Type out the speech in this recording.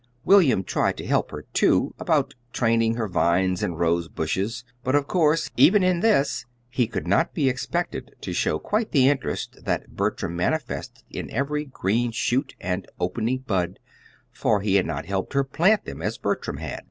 William tried to help her, too, about training her vines and rosebushes; but of course, even in this, he could not be expected to show quite the interest that Bertram manifested in every green shoot and opening bud, for he had not helped her plant them, as Bertram had.